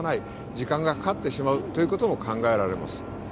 時間がかかってしまうことも考えられます。